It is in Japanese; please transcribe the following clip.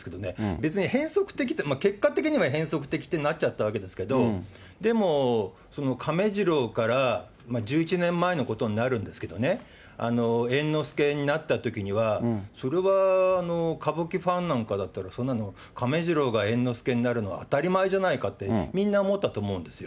別に変則的って、結果的には変則的ってなっちゃったわけですけども、でも、その亀治郎から１１年前のことになるんですけどね、猿之助になったときには、それは歌舞伎ファンなんかだったら、そんなの亀治郎が猿之助になるのは当たり前じゃないかってみんな思ったと思うんですよ。